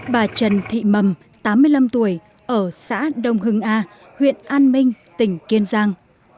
bà trần thị mầm tám mươi năm tuổi ở xã đông hưng a huyện an minh tỉnh kiên giang